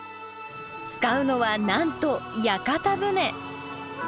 使うのはなんと屋形船。